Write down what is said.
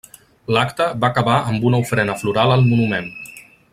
L'acte va acabar amb una ofrena floral al monument.